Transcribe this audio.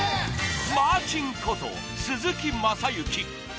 マーチンこと鈴木雅之